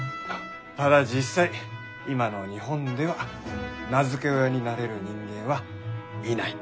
ただ実際今の日本では名付け親になれる人間はいない。